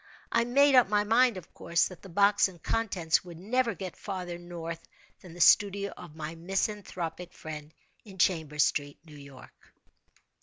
I made up my mind, of course, that the box and contents would never get farther north than the studio of my misanthropic friend, in Chambers Street, New York.